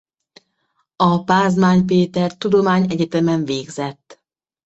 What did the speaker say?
A Pázmány Péter Tudományegyetemen végzett.